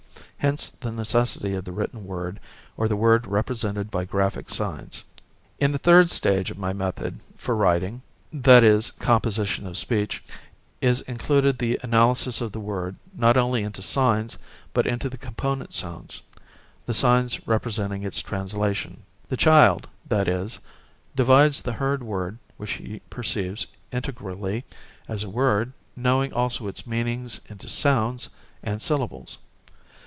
Hence the necessity of the written word or the word represented by graphic signs. In the third stage of my method for writing, that is, composition of speech, is included the analysis of the word not only into signs, but into the component sounds; the signs representing its translation. The child, that is, divides the heard word which he perceives integrally as a word, knowing also its meanings, into sounds and syllables.